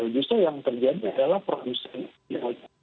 justru yang terjadi adalah produsen